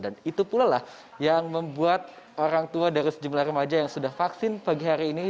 itu pula lah yang membuat orang tua dari sejumlah remaja yang sudah vaksin pagi hari ini